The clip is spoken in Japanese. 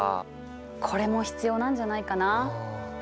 これも必要なんじゃないかな。